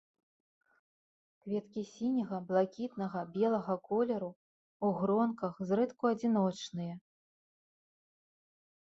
Кветкі сіняга, блакітнага, белага колеру, у гронках, зрэдку адзіночныя.